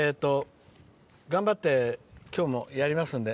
頑張って今日もやりますんで。